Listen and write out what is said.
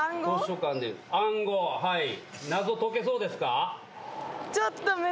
謎解けそうですか？